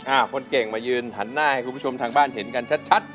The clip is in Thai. คนเก่งมายืนหันหน้าให้คุณผู้ชมทางบ้านเห็นกันชัดชัด